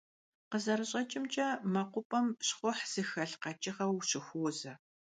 КъызэрыщӀэкӀымкӀэ, мэкъупӀэм щхъухь зыхэлъ къэкӀыгъэ ущыхуозэ.